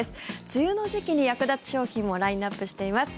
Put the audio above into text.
梅雨の時期に役立つ商品もラインアップしています。